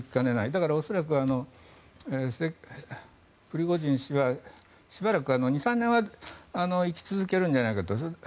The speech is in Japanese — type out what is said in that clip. だから、恐らくプリゴジン氏はしばらく２３年は生き続けるんじゃないかと。